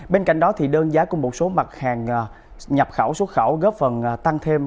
bên cạnh đó đơn giá của một số mặt hàng nhập khẩu xuất khẩu góp phần tăng thêm